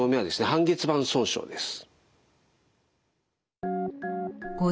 半月板損傷です。